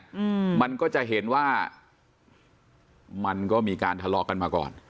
อืมมันก็จะเห็นว่ามันก็มีการทะเลาะกันมาก่อน